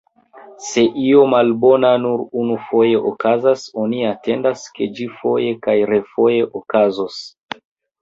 Se io malbona nur unufoje okazas, oni atendas, ke ĝi foje kaj refoje okazos.